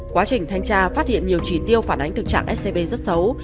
quá trình thanh tra phát hiện nhiều trí tiêu phản ánh thực trạng scb rất xấu